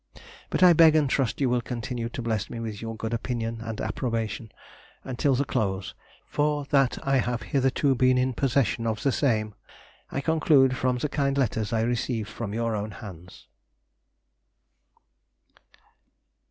But I beg and trust you will continue to bless me with your good opinion and approbation, until the close, for that I have hitherto been in possession of the same, I conclude from the kind letters I receive from your own hands....